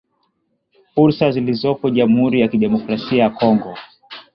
fursa zilizoko jamhuri ya kidemokrasia ya Kongo